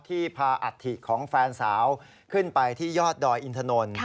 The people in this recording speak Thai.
ที่พาอัฐิของแฟนสาวขึ้นไปที่ยอดดอยอินทนนท์